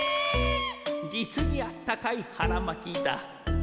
実にあったかいはらまきだ。